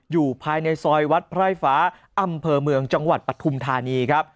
อยู่ภายในซอยวัดไพร่ฟ้าอำเภอเมืองจังหวัดปฐุมธานีครับ